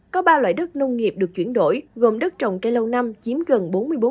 có ba loại đất nông nghiệp được chuyển đổi gồm đất trồng cây lâu năm chiếm gần bốn mươi bốn